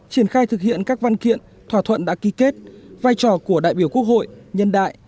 triển khai thực hiện các văn kiện thỏa thuận đã ký kết vai trò của đại biểu quốc hội nhân đại